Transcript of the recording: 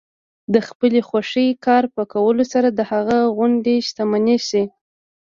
د خپلې خوښې کار په کولو سره د هغه غوندې شتمن شئ.